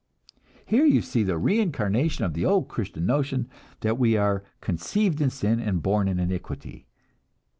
Here you see the reincarnation of the old Christian notion that we are "conceived in sin and born in iniquity."